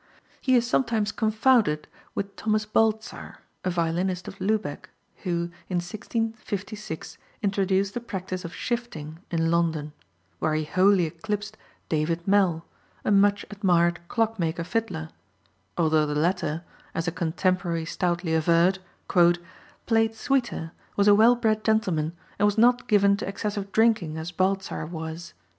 He is sometimes confounded with Thomas Baltzar, a violinist of Lubec, who, in 1656 introduced the practice of shifting in London, where he wholly eclipsed David Mell, a much admired clockmaker fiddler, although the latter, as a contemporary stoutly averred, "played sweeter, was a well bred gentleman, and was not given to excessive drinking as Baltzar was."